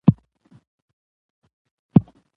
چې تر شهادت پورې وجنگید